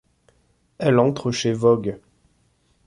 Elle entre chez Vogue.